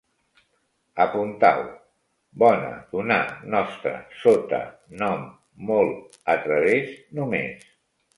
Apuntau: bona, donar, nostra, sota, nom, molt, a través, només